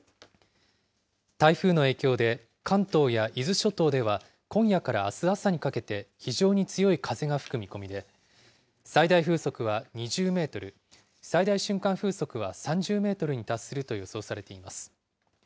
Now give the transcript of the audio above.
台風の影響で、関東や伊豆諸島では、今夜からあす朝にかけて非常に強い風が吹く見込みで、最大風速は２０メートル、最大瞬間風速は３０メートルに達すると予想されています。